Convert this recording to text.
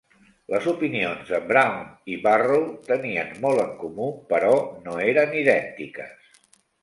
Les opinions de Browne i Barrowe tenien molt en comú, però no eren idèntiques.